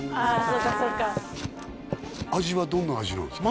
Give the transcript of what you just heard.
そうかそうか味はどんな味なんですか？